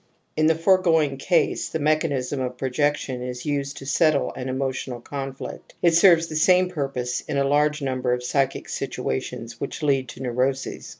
In the foregoing case the mecli3iiigijii.jQf^^ is usgiJLiQ^ settle an emotional gpnflicL^ it seiveS'the same purpose in a large number of psychic situations which lead to neuroses.